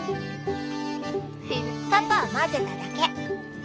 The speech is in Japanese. パパは混ぜただけ。